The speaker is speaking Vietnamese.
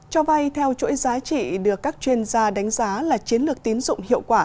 cho vay theo chuỗi giá trị được các chuyên gia đánh giá là chiến lược tín dụng hiệu quả